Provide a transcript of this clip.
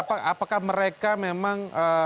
apakah mereka memang